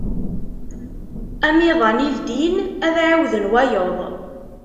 Amiḍan i ldin, ad ɛiwden wayeḍ.